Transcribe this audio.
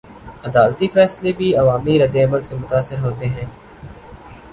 عدالتی فیصلے بھی عوامی ردعمل سے متاثر ہوتے ہیں؟